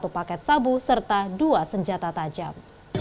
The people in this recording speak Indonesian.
satu paket sabu serta dua senjata tajam